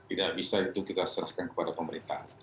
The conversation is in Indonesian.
tidak bisa itu kita serahkan kepada pemerintah